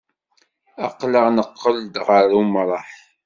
Aql-aɣ neqqel-d ɣer umṛaḥ.